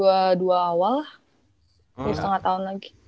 satu setengah tahun lagi